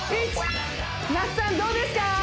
那須さんどうですか？